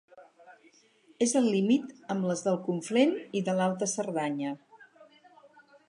És al límit amb les del Conflent i de l'Alta Cerdanya.